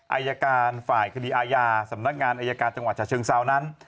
อายการฝ่ายคดีอาญาสำนักงานอายการจังหวัดฉะเชิงเซานั้น